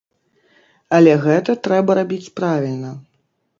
Але гэта трэба рабіць правільна.